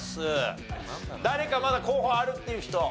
誰かまだ候補あるっていう人。